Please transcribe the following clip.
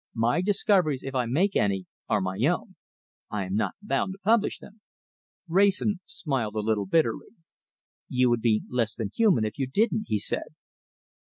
My discoveries, if I make any, are my own. I am not bound to publish them." Wrayson smiled a little bitterly. "You would be less than human if you didn't," he said.